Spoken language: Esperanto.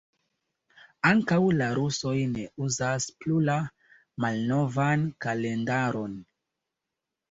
Ankaŭ la rusoj ne uzas plu la malnovan kalendaron.